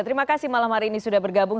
terima kasih malam hari ini sudah bergabung